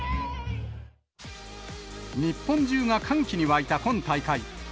日本中が歓喜に沸いた今大会。